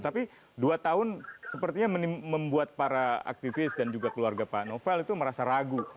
tapi dua tahun sepertinya membuat para aktivis dan juga keluarga pak novel itu merasa ragu